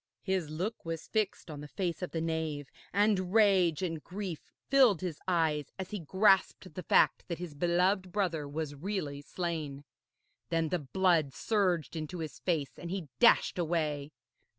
His look was fixed on the face of the knave, and rage and grief filled his eyes as he grasped the fact that his beloved brother was really slain. Then the blood surged into his face, and he dashed away.